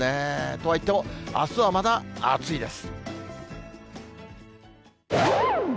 とはいっても、あすはまだ暑いです。